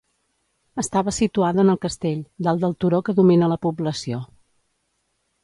Estava situada en el castell, dalt del turó que domina la població.